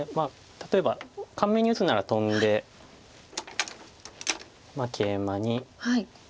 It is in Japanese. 例えば簡明に打つならトンでケイマに。